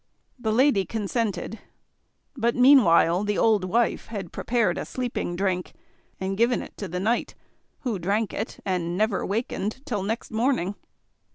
The lady consented; but meanwhile the old wife had prepared a sleeping drink, and given it to the knight who drank it, and never wakened till next morning.